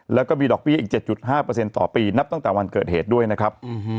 แล้วก็มีดอกเบี้ยอีก๗๕ต่อปีนับตั้งแต่วันเกิดเหตุด้วยนะครับ